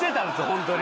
ホントに。